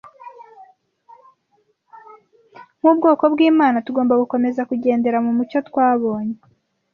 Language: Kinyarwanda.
Nk’ubwoko bw’Imana, tugomba gukomeza kugendera mu mucyo twabonye